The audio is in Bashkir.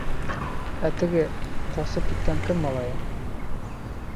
— Ә теге, ҡасып киткән кем малайы?